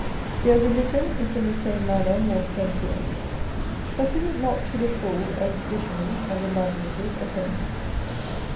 Their religion is in the same manner more sensual : but is it not to the full as visionary and imaginative as any